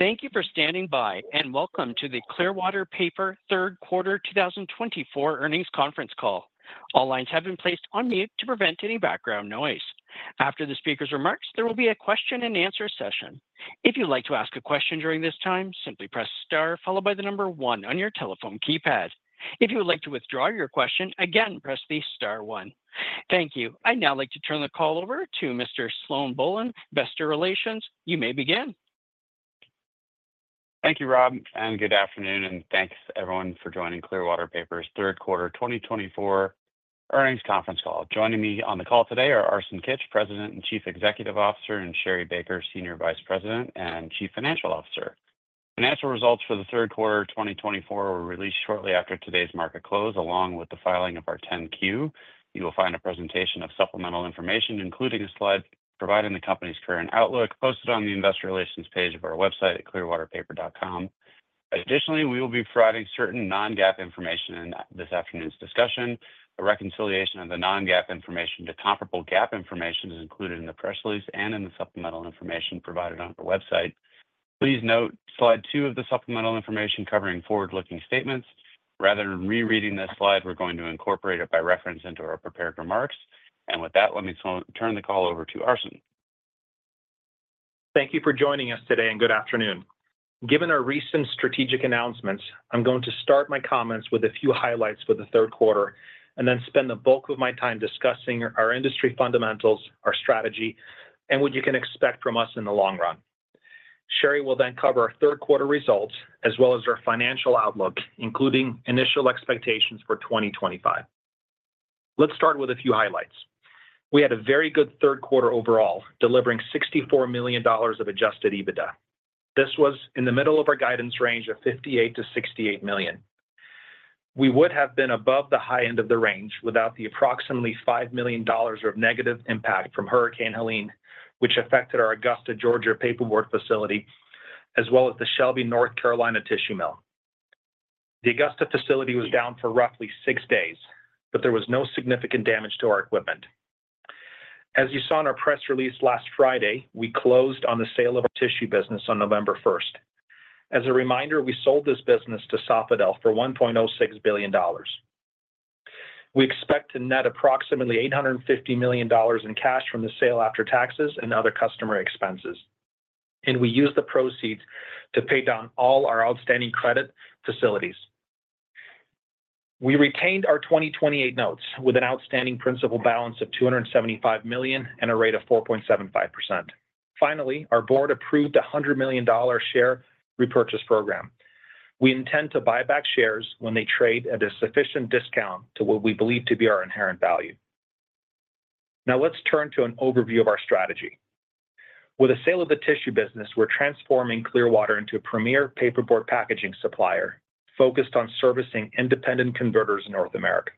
Thank you for standing by, and welcome to the Clearwater Paper Third Quarter 2024 Earnings Conference Call. All lines have been placed on mute to prevent any background noise. After the speaker's remarks, there will be a question-and-answer session. If you'd like to ask a question during this time, simply press star, followed by the number one on your telephone keypad. If you would like to withdraw your question, again, press the star one. Thank you. I'd now like to turn the call over to Mr. Sloan Bohlen, Investor Relations. You may begin. Thank you, Rob, and good afternoon, and thanks everyone for joining Clearwater Paper's Third Quarter 2024 Earnings Conference Call. Joining me on the call today are Arsen Kitch, President and Chief Executive Officer, and Sherri Baker, Senior Vice President and Chief Financial Officer. Financial results for the Third Quarter 2024 were released shortly after today's market close, along with the filing of our 10-Q. You will find a presentation of supplemental information, including a slide providing the company's current outlook, posted on the investor relations page of our website at clearwaterpaper.com. Additionally, we will be providing certain non-GAAP information in this afternoon's discussion. The reconciliation of the non-GAAP information to comparable GAAP information is included in the press release and in the supplemental information provided on our website. Please note slide two of the supplemental information covering forward-looking statements. Rather than rereading this slide, we're going to incorporate it by reference into our prepared remarks, and with that, let me turn the call over to Arsen. Thank you for joining us today, and good afternoon. Given our recent strategic announcements, I'm going to start my comments with a few highlights for the Third Quarter and then spend the bulk of my time discussing our industry fundamentals, our strategy, and what you can expect from us in the long run. Sherri will then cover our Third Quarter results as well as our financial outlook, including initial expectations for 2025. Let's start with a few highlights. We had a very good Third Quarter overall, delivering $64 million of Adjusted EBITDA. This was in the middle of our guidance range of $58-$68 million. We would have been above the high end of the range without the approximately $5 million of negative impact from Hurricane Helene, which affected our Augusta, Georgia, paperboard facility, as well as the Shelby, North Carolina, tissue mill. The Augusta facility was down for roughly six days, but there was no significant damage to our equipment. As you saw in our press release last Friday, we closed on the sale of our tissue business on November 1st. As a reminder, we sold this business to Sofidel for $1.06 billion. We expect to net approximately $850 million in cash from the sale after taxes and other transaction expenses, and we use the proceeds to pay down all our outstanding credit facilities. We retained our 2028 notes with an outstanding principal balance of $275 million and a rate of 4.75%. Finally, our board approved a $100 million share repurchase program. We intend to buy back shares when they trade at a sufficient discount to what we believe to be our inherent value. Now, let's turn to an overview of our strategy. With the sale of the tissue business, we're transforming Clearwater into a premier paperboard packaging supplier focused on servicing independent converters in North America.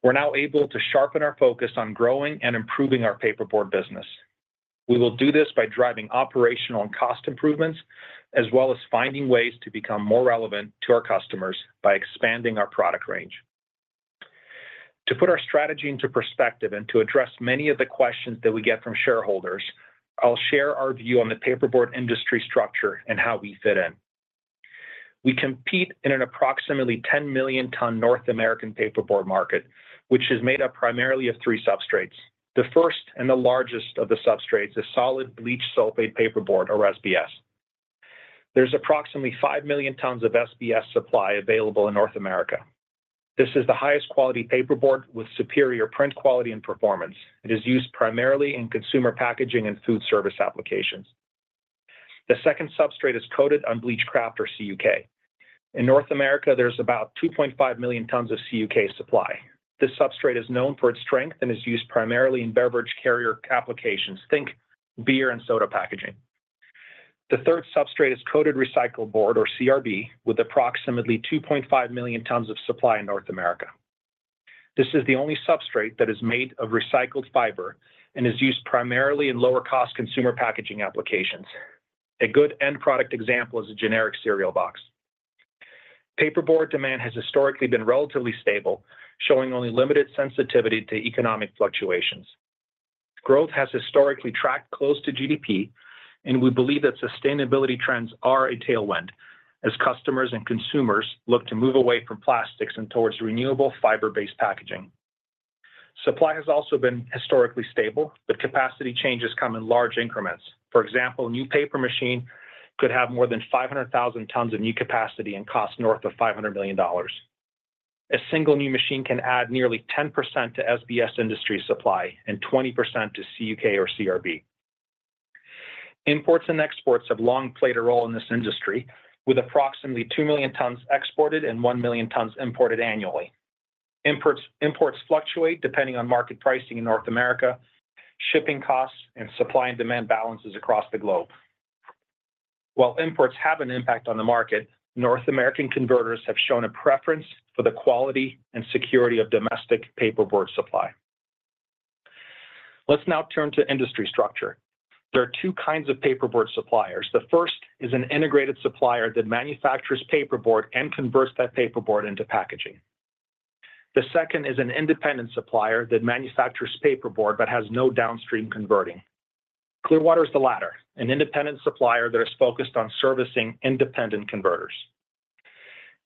We're now able to sharpen our focus on growing and improving our paperboard business. We will do this by driving operational and cost improvements, as well as finding ways to become more relevant to our customers by expanding our product range. To put our strategy into perspective and to address many of the questions that we get from shareholders, I'll share our view on the paperboard industry structure and how we fit in. We compete in an approximately 10 million-ton North American paperboard market, which is made up primarily of three substrates. The first and the largest of the substrates is solid bleached sulfate paperboard, or SBS. There's approximately 5 million tons of SBS supply available in North America. This is the highest quality paperboard with superior print quality and performance. It is used primarily in consumer packaging and food service applications. The second substrate is coated unbleached kraft, or CUK. In North America, there's about 2.5 million tons of CUK supply. This substrate is known for its strength and is used primarily in beverage carrier applications. Think beer and soda packaging. The third substrate is coated recycled board, or CRB, with approximately 2.5 million tons of supply in North America. This is the only substrate that is made of recycled fiber and is used primarily in lower-cost consumer packaging applications. A good end product example is a generic cereal box. Paperboard demand has historically been relatively stable, showing only limited sensitivity to economic fluctuations. Growth has historically tracked close to GDP, and we believe that sustainability trends are a tailwind as customers and consumers look to move away from plastics and towards renewable fiber-based packaging. Supply has also been historically stable, but capacity changes come in large increments. For example, a new paper machine could have more than 500,000 tons of new capacity and cost north of $500 million. A single new machine can add nearly 10% to SBS industry supply and 20% to CUK, or CRB. Imports and exports have long played a role in this industry, with approximately 2 million tons exported and 1 million tons imported annually. Imports fluctuate depending on market pricing in North America, shipping costs, and supply and demand balances across the globe. While imports have an impact on the market, North American converters have shown a preference for the quality and security of domestic paperboard supply. Let's now turn to industry structure. There are two kinds of paperboard suppliers. The first is an integrated supplier that manufactures paperboard and converts that paperboard into packaging. The second is an independent supplier that manufactures paperboard but has no downstream converting. Clearwater is the latter, an independent supplier that is focused on servicing independent converters.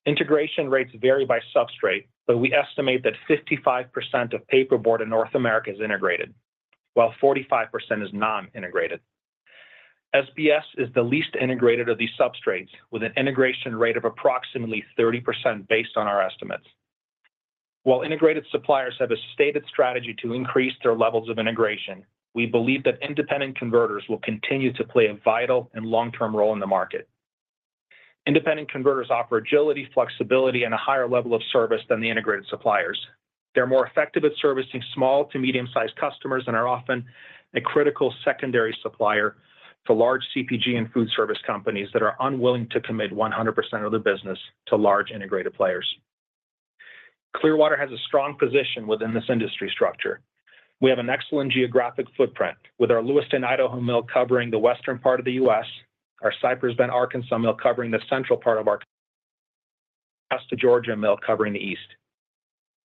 Integration rates vary by substrate, but we estimate that 55% of paperboard in North America is integrated, while 45% is non-integrated. SBS is the least integrated of these substrates, with an integration rate of approximately 30% based on our estimates. While integrated suppliers have a stated strategy to increase their levels of integration, we believe that independent converters will continue to play a vital and long-term role in the market. Independent converters offer agility, flexibility, and a higher level of service than the integrated suppliers. They're more effective at servicing small to medium-sized customers and are often a critical secondary supplier to large CPG and food service companies that are unwilling to commit 100% of their business to large integrated players. Clearwater has a strong position within this industry structure. We have an excellent geographic footprint, with our Lewiston, Idaho mill covering the western part of the U.S., our Cypress Bend, Arkansas mill covering the central part of the U.S., our Georgia mill covering the east.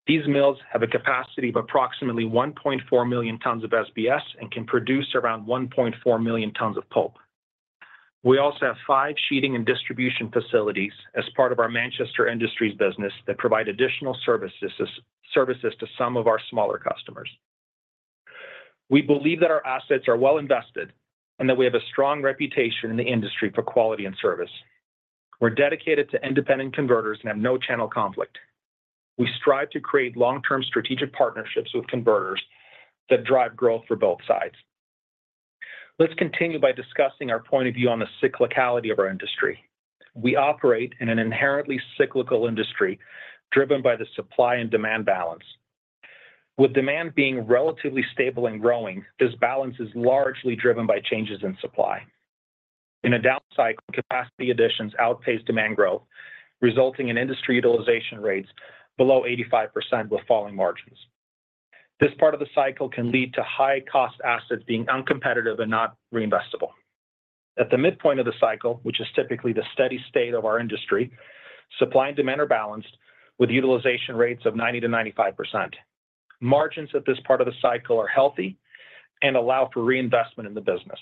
These mills have a capacity of approximately 1.4 million tons of SBS and can produce around 1.4 million tons of pulp. We also have five sheeting and distribution facilities as part of our Manchester Industries business that provide additional services to some of our smaller customers. We believe that our assets are well invested and that we have a strong reputation in the industry for quality and service. We're dedicated to independent converters and have no channel conflict. We strive to create long-term strategic partnerships with converters that drive growth for both sides. Let's continue by discussing our point of view on the cyclicality of our industry. We operate in an inherently cyclical industry driven by the supply and demand balance. With demand being relatively stable and growing, this balance is largely driven by changes in supply. In a down cycle, capacity additions outpace demand growth, resulting in industry utilization rates below 85% with falling margins. This part of the cycle can lead to high-cost assets being uncompetitive and not reinvestable. At the midpoint of the cycle, which is typically the steady state of our industry, supply and demand are balanced with utilization rates of 90%-95%. Margins at this part of the cycle are healthy and allow for reinvestment in the business.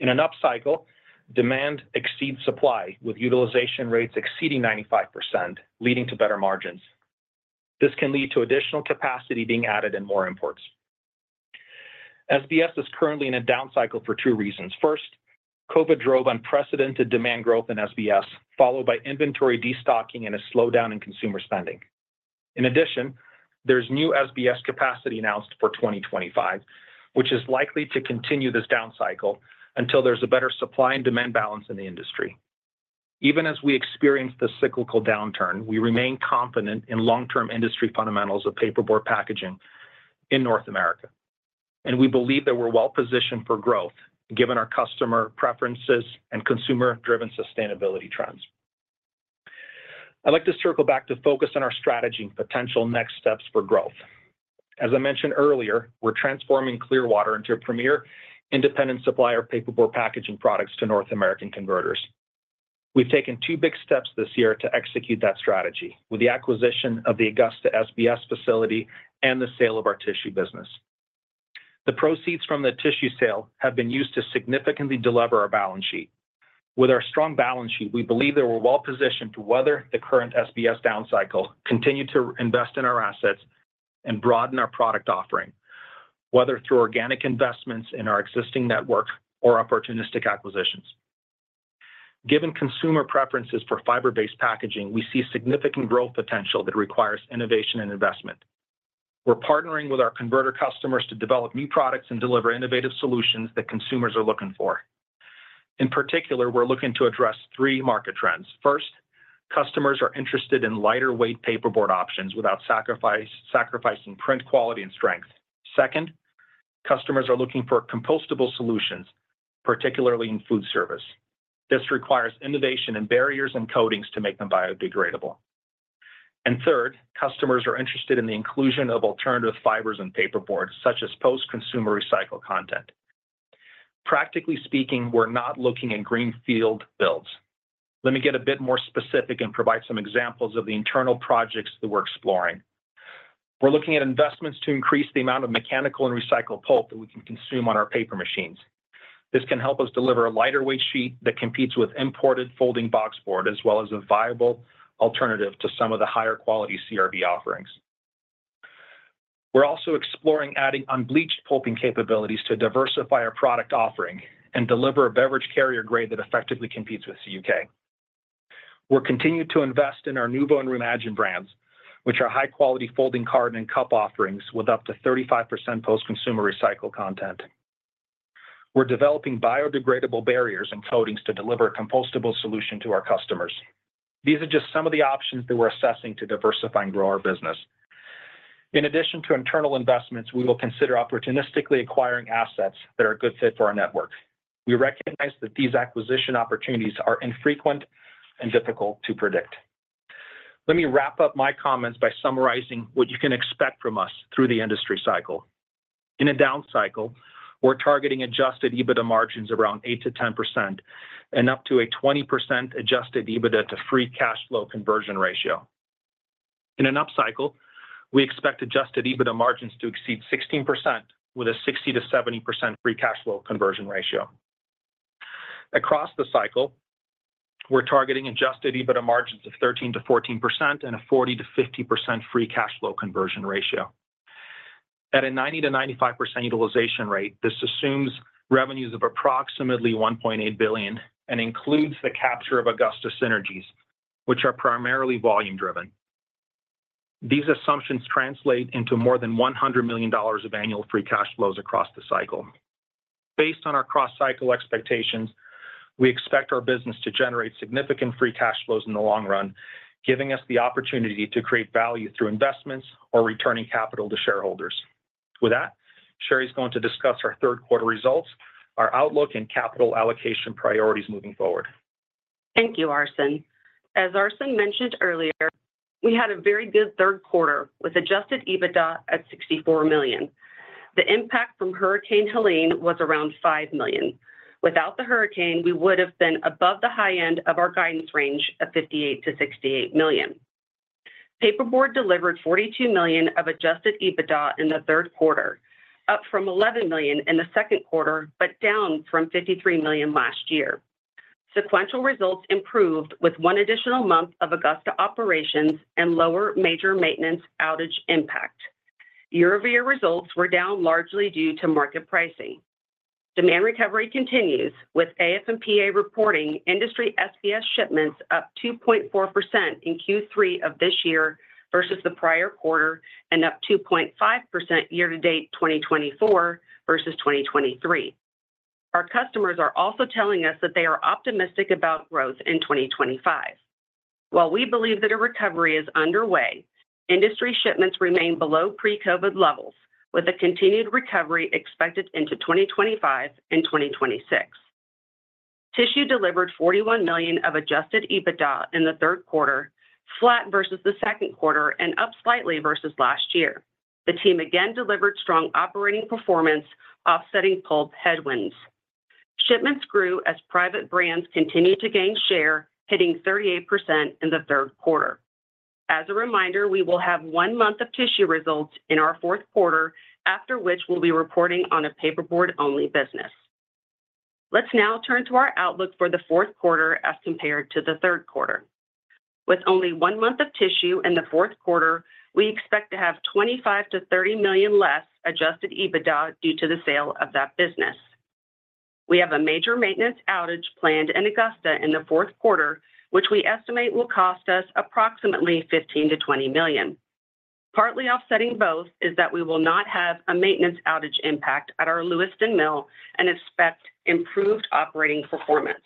In an up cycle, demand exceeds supply with utilization rates exceeding 95%, leading to better margins. This can lead to additional capacity being added and more imports. SBS is currently in a down cycle for two reasons. First, COVID drove unprecedented demand growth in SBS, followed by inventory destocking and a slowdown in consumer spending. In addition, there's new SBS capacity announced for 2025, which is likely to continue this down cycle until there's a better supply and demand balance in the industry. Even as we experience this cyclical downturn, we remain confident in long-term industry fundamentals of paperboard packaging in North America, and we believe that we're well positioned for growth given our customer preferences and consumer-driven sustainability trends. I'd like to circle back to focus on our strategy and potential next steps for growth. As I mentioned earlier, we're transforming Clearwater into a premier independent supplier of paperboard packaging products to North American converters. We've taken two big steps this year to execute that strategy with the acquisition of the Augusta SBS facility and the sale of our tissue business. The proceeds from the tissue sale have been used to significantly deleverage our balance sheet. With our strong balance sheet, we believe that we're well positioned to weather the current SBS down cycle, continue to invest in our assets, and broaden our product offering, whether through organic investments in our existing network or opportunistic acquisitions. Given consumer preferences for fiber-based packaging, we see significant growth potential that requires innovation and investment. We're partnering with our converter customers to develop new products and deliver innovative solutions that consumers are looking for. In particular, we're looking to address three market trends. First, customers are interested in lighter-weight paperboard options without sacrificing print quality and strength. Second, customers are looking for compostable solutions, particularly in food service. This requires innovation in barriers and coatings to make them biodegradable. And third, customers are interested in the inclusion of alternative fibers in paperboard, such as post-consumer recycled content. Practically speaking, we're not looking at greenfield builds. Let me get a bit more specific and provide some examples of the internal projects that we're exploring. We're looking at investments to increase the amount of mechanical and recycled pulp that we can consume on our paper machines. This can help us deliver a lighter-weight sheet that competes with imported folding boxboard, as well as a viable alternative to some of the higher-quality CRB offerings. We're also exploring adding unbleached pulping capabilities to diversify our product offering and deliver a beverage carrier grade that effectively competes with CUK. We're continuing to invest in our NuVo ReMagine brands, which are high-quality folding carton and cup offerings with up to 35% post-consumer recycled content. We're developing biodegradable barriers and coatings to deliver a compostable solution to our customers. These are just some of the options that we're assessing to diversify and grow our business. In addition to internal investments, we will consider opportunistically acquiring assets that are a good fit for our network. We recognize that these acquisition opportunities are infrequent and difficult to predict. Let me wrap up my comments by summarizing what you can expect from us through the industry cycle. In a down cycle, we're targeting Adjusted EBITDA margins around 8%-10% and up to a 20% Adjusted EBITDA to free cash flow conversion ratio. In an up cycle, we expect Adjusted EBITDA margins to exceed 16% with a 60%-70% free cash flow conversion ratio. Across the cycle, we're targeting Adjusted EBITDA margins of 13%-14% and a 40%-50% free cash flow conversion ratio. At a 90%-95% utilization rate, this assumes revenues of approximately $1.8 billion and includes the capture of Augusta synergies, which are primarily volume-driven. These assumptions translate into more than $100 million of annual free cash flows across the cycle. Based on our cross-cycle expectations, we expect our business to generate significant free cash flows in the long run, giving us the opportunity to create value through investments or returning capital to shareholders. With that, Sherri is going to discuss our third-quarter results, our outlook, and capital allocation priorities moving forward. Thank you, Arsen. As Arsen mentioned earlier, we had a very good third quarter with Adjusted EBITDA at $64 million. The impact from Hurricane Helene was around $5 million. Without the hurricane, we would have been above the high end of our guidance range at $58-$68 million. Paperboard delivered $42 million of Adjusted EBITDA in the third quarter, up from $11 million in the second quarter, but down from $53 million last year. Sequential results improved with one additional month of Augusta operations and lower major maintenance outage impact. Year-over-year results were down largely due to market pricing. Demand recovery continues with AF&PA reporting industry SBS shipments up 2.4% in Q3 of this year versus the prior quarter and up 2.5% year-to-date 2024 versus 2023. Our customers are also telling us that they are optimistic about growth in 2025. While we believe that a recovery is underway, industry shipments remain below pre-COVID levels, with a continued recovery expected into 2025 and 2026. Tissue delivered $41 million of adjusted EBITDA in the third quarter, flat versus the second quarter and up slightly versus last year. The team again delivered strong operating performance, offsetting pulp headwinds. Shipments grew as private brands continued to gain share, hitting 38% in the third quarter. As a reminder, we will have one month of tissue results in our fourth quarter, after which we'll be reporting on a paperboard-only business. Let's now turn to our outlook for the fourth quarter as compared to the third quarter. With only one month of tissue in the fourth quarter, we expect to have $25 million-$30 million less Adjusted EBITDA due to the sale of that business. We have a major maintenance outage planned in Augusta in the fourth quarter, which we estimate will cost us approximately $15 million-$20 million. Partly offsetting both is that we will not have a maintenance outage impact at our Lewiston mill and expect improved operating performance.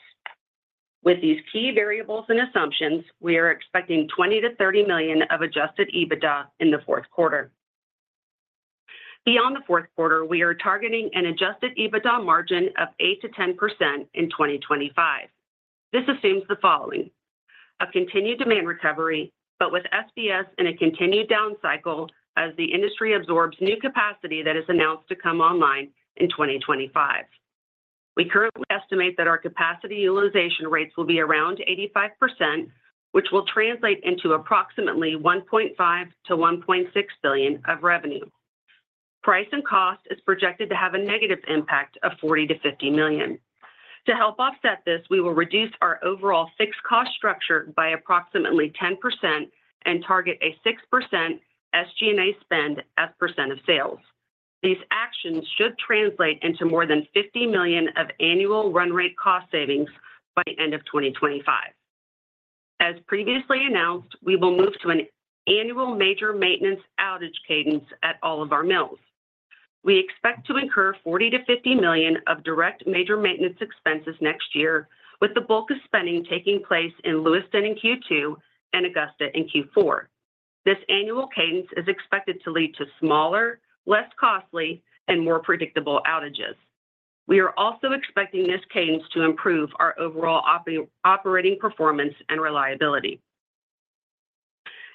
With these key variables and assumptions, we are expecting $20 million-$30 million of Adjusted EBITDA in the fourth quarter. Beyond the fourth quarter, we are targeting an Adjusted EBITDA margin of 8%-10% in 2025. This assumes the following: a continued demand recovery, but with SBS in a continued down cycle as the industry absorbs new capacity that is announced to come online in 2025. We currently estimate that our capacity utilization rates will be around 85%, which will translate into approximately $1.5-$1.6 billion of revenue. Price and cost is projected to have a negative impact of $40-$50 million. To help offset this, we will reduce our overall fixed cost structure by approximately 10% and target a 6% SG&A spend as percent of sales. These actions should translate into more than $50 million of annual run rate cost savings by the end of 2025. As previously announced, we will move to an annual major maintenance outage cadence at all of our mills. We expect to incur $40-$50 million of direct major maintenance expenses next year, with the bulk of spending taking place in Lewiston in Q2 and Augusta in Q4. This annual cadence is expected to lead to smaller, less costly, and more predictable outages. We are also expecting this cadence to improve our overall operating performance and reliability.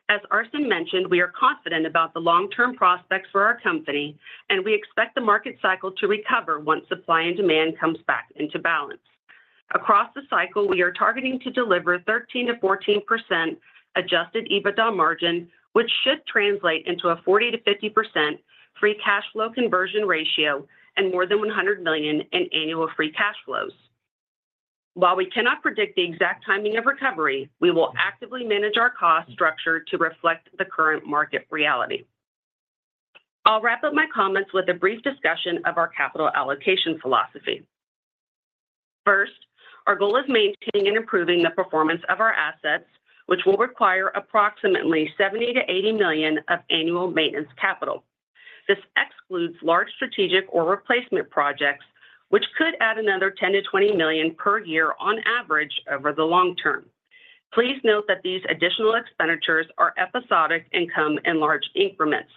As Arsen mentioned, we are confident about the long-term prospects for our company, and we expect the market cycle to recover once supply and demand comes back into balance. Across the cycle, we are targeting to deliver 13%-14% Adjusted EBITDA margin, which should translate into a 40%-50% Free Cash Flow conversion ratio and more than $100 million in annual Free Cash Flows. While we cannot predict the exact timing of recovery, we will actively manage our cost structure to reflect the current market reality. I'll wrap up my comments with a brief discussion of our capital allocation philosophy. First, our goal is maintaining and improving the performance of our assets, which will require approximately $70-$80 million of annual maintenance capital. This excludes large strategic or replacement projects, which could add another $10 million-$20 million per year on average over the long term. Please note that these additional expenditures are episodic and come in large increments.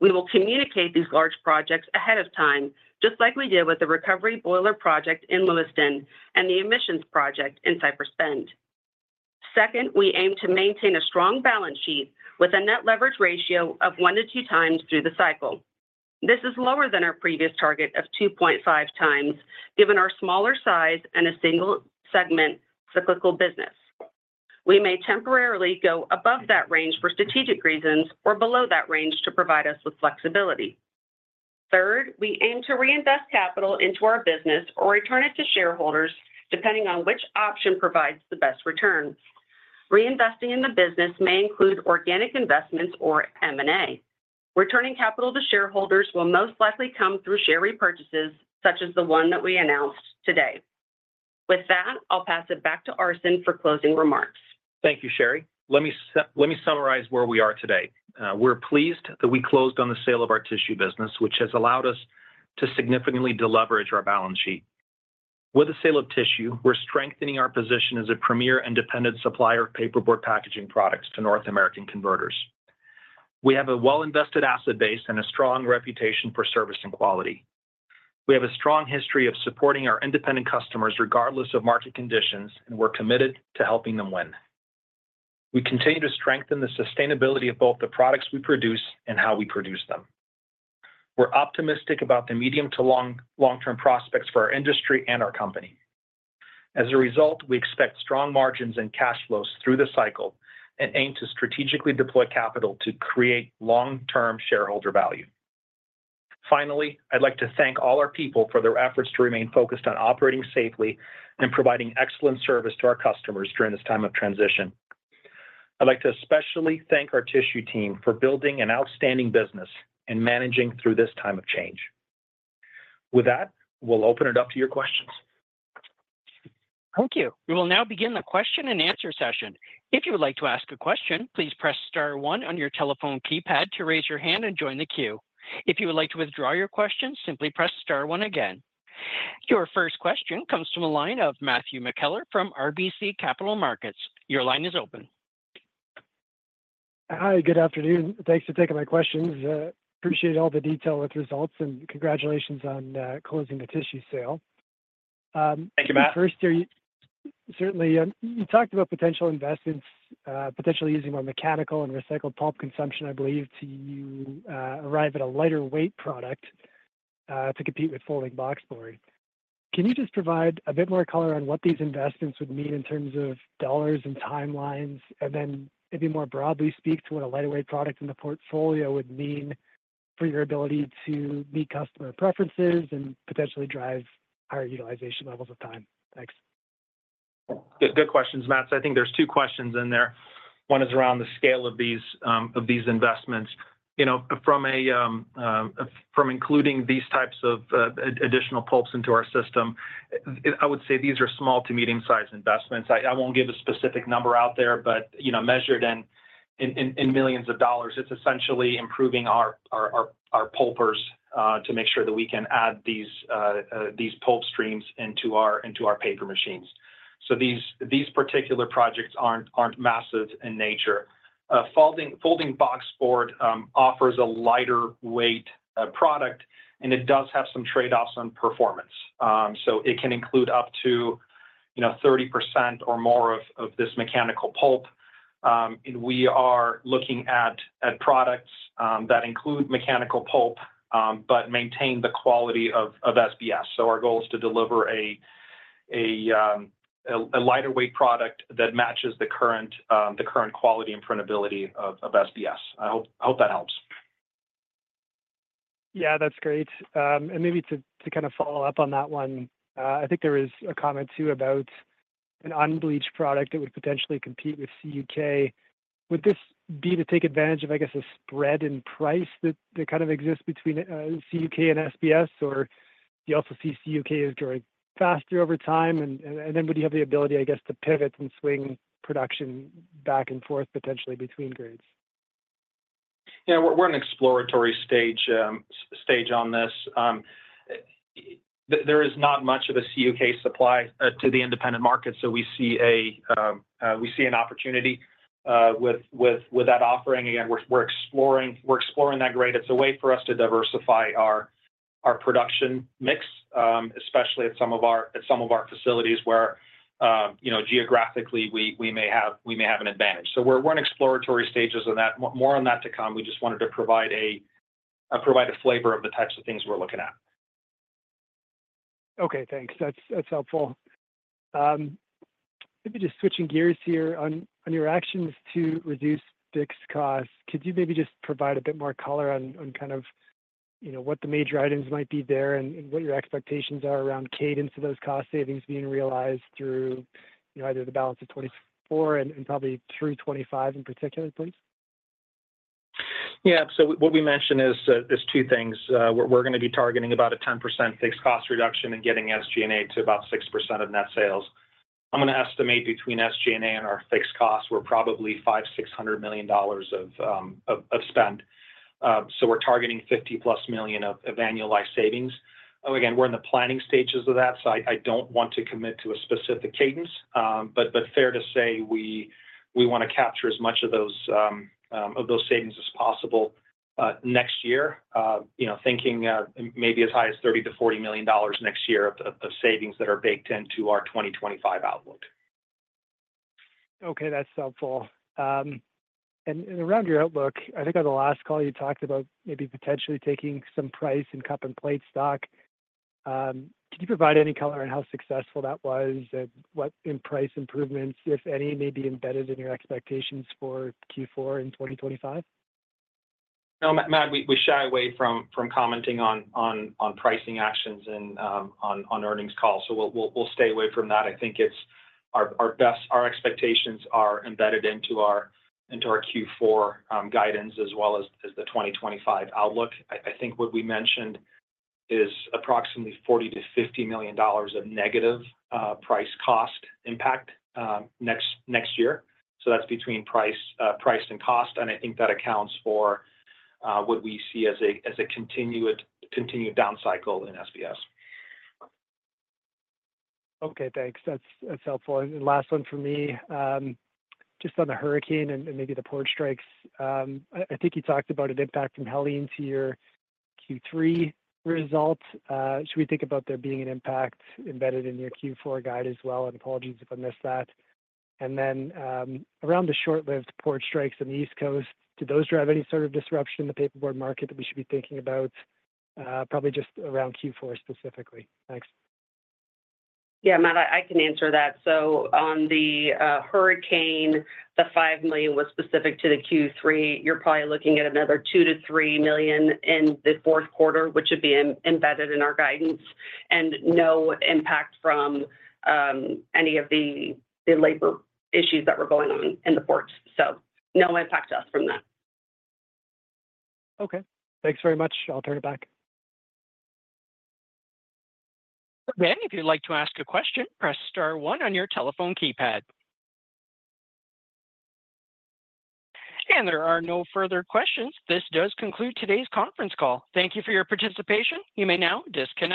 We will communicate these large projects ahead of time, just like we did with the recovery boiler project in Lewiston and the emissions project in Cypress Bend. Second, we aim to maintain a strong balance sheet with a net leverage ratio of one to two times through the cycle. This is lower than our previous target of 2.5 times, given our smaller size and a single-segment cyclical business. We may temporarily go above that range for strategic reasons or below that range to provide us with flexibility. Third, we aim to reinvest capital into our business or return it to shareholders, depending on which option provides the best return. Reinvesting in the business may include organic investments or M&A. Returning capital to shareholders will most likely come through share repurchases, such as the one that we announced today. With that, I'll pass it back to Arsen for closing remarks. Thank you, Sherri. Let me summarize where we are today. We're pleased that we closed on the sale of our tissue business, which has allowed us to significantly deleverage our balance sheet. With the sale of tissue, we're strengthening our position as a premier independent supplier of paperboard packaging products to North American converters. We have a well-invested asset base and a strong reputation for service and quality. We have a strong history of supporting our independent customers regardless of market conditions, and we're committed to helping them win. We continue to strengthen the sustainability of both the products we produce and how we produce them. We're optimistic about the medium to long-term prospects for our industry and our company. As a result, we expect strong margins and cash flows through the cycle and aim to strategically deploy capital to create long-term shareholder value. Finally, I'd like to thank all our people for their efforts to remain focused on operating safely and providing excellent service to our customers during this time of transition. I'd like to especially thank our tissue team for building an outstanding business and managing through this time of change. With that, we'll open it up to your questions. Thank you. We will now begin the question and answer session. If you would like to ask a question, please press star one on your telephone keypad to raise your hand and join the queue. If you would like to withdraw your question, simply press star one again. Your first question comes from a line of Matthew McKellar from RBC Capital Markets. Your line is open. Hi, good afternoon. Thanks for taking my questions. Appreciate all the detail with results, and congratulations on closing the tissue sale. Thank you, Matt. First, certainly, you talked about potential investments, potentially using more mechanical and recycled pulp consumption, I believe, to arrive at a lighter-weight product to compete with folding boxboard. Can you just provide a bit more color on what these investments would mean in terms of dollars and timelines, and then maybe more broadly speak to what a lighter-weight product in the portfolio would mean for your ability to meet customer preferences and potentially drive higher utilization levels of time? Thanks. Good questions, Matt. So I think there's two questions in there. One is around the scale of these investments. From including these types of additional pulps into our system, I would say these are small to medium-sized investments. I won't give a specific number out there, but measured in millions of dollars, it's essentially improving our pulpers to make sure that we can add these pulp streams into our paper machines. So these particular projects aren't massive in nature. Folding Boxboard offers a lighter-weight product, and it does have some trade-offs on performance. So it can include up to 30% or more of this mechanical pulp. And we are looking at products that include mechanical pulp but maintain the quality of SBS. So our goal is to deliver a lighter-weight product that matches the current quality and printability of SBS. I hope that helps. Yeah, that's great. And maybe to kind of follow up on that one, I think there is a comment, too, about an unbleached product that would potentially compete with CUK. Would this be to take advantage of, I guess, a spread in price that kind of exists between CUK and SBS, or do you also see CUK is growing faster over time? And then would you have the ability, I guess, to pivot and swing production back and forth, potentially between grades? Yeah, we're in an exploratory stage on this. There is not much of a CUK supply to the independent market, so we see an opportunity with that offering. Again, we're exploring that grade. It's a way for us to diversify our production mix, especially at some of our facilities where geographically we may have an advantage. So we're in exploratory stages on that. More on that to come. We just wanted to provide a flavor of the types of things we're looking at. Okay, thanks. That's helpful. Maybe just switching gears here on your actions to reduce fixed costs, could you maybe just provide a bit more color on kind of what the major items might be there and what your expectations are around cadence of those cost savings being realized through either the balance of 2024 and probably through 2025 in particular, please? Yeah, so what we mentioned is two things. We're going to be targeting about a 10% fixed cost reduction and getting SG&A to about 6% of net sales. I'm going to estimate between SG&A and our fixed costs, we're probably $500-$600 million of spend. So we're targeting $50-plus million of annualized savings. Again, we're in the planning stages of that, so I don't want to commit to a specific cadence. But fair to say we want to capture as much of those savings as possible next year, thinking maybe as high as $30-$40 million next year of savings that are baked into our 2025 outlook. Okay, that's helpful. And around your outlook, I think on the last call you talked about maybe potentially taking some price and cup and plate stock. Could you provide any color on how successful that was and what price improvements, if any, may be embedded in your expectations for Q4 in 2025? No, Matt, we shy away from commenting on pricing actions and on earnings calls, so we'll stay away from that. I think our expectations are embedded into our Q4 guidance as well as the 2025 outlook. I think what we mentioned is approximately $40-$50 million of negative price cost impact next year. So that's between price and cost, and I think that accounts for what we see as a continued down cycle in SBS. Okay, thanks. That's helpful. And last one for me, just on the hurricane and maybe the port strikes, I think you talked about an impact from Helene to your Q3 result. Should we think about there being an impact embedded in your Q4 guide as well? And apologies if I missed that. And then around the short-lived port strikes on the East Coast, do those drive any sort of disruption in the paperboard market that we should be thinking about? Probably just around Q4 specifically. Thanks. Yeah, Matt, I can answer that. So on the hurricane, the $5 million was specific to the Q3. You're probably looking at another $2 million-$3 million in the fourth quarter, which would be embedded in our guidance and no impact from any of the labor issues that were going on in the ports. So no impact to us from that. Okay. Thanks very much. I'll turn it back. If any of you would like to ask a question, press star one on your telephone keypad. And there are no further questions. This does conclude today's conference call. Thank you for your participation. You may now disconnect.